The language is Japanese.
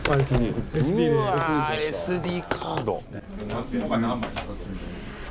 うわＳＤカード。